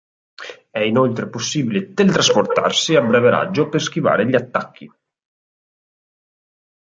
È inoltre possibile teletrasportarsi a breve raggio per schivare gli attacchi.